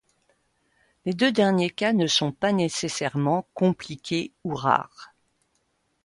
Les deux derniers cas ne sont pas nécessairement compliqués ou rares.